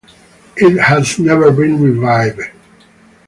It has never been revived.